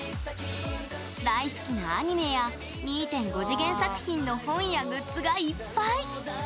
大好きなアニメや２．５次元作品の本やグッズがいっぱい。